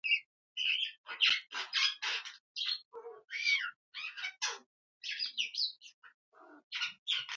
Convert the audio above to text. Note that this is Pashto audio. د پښتو څانګې زده کوونکي دا سپارښتنه عملي کړي،